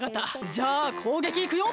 じゃあこうげきいくよ。